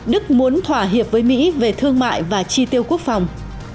đức muốn thỏa hiệp với mỹ về thương mại và chi tiêu quốc phòng